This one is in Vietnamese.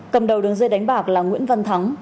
cầm đầu đường dây đánh bạc là nguyễn văn thắng